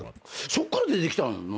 そっから出てきたんやもんね？